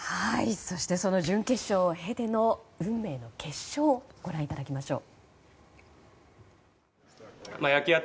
そして、その準決勝を経ての、運命の決勝をご覧いただきましょう。